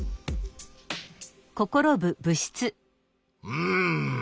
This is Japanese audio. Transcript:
うん。